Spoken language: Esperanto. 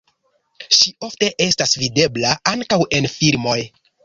Ŝi ofte estas videbla ankaŭ en filmoj.